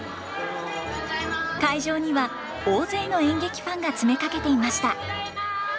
会場には大勢の演劇ファンが詰めかけていました。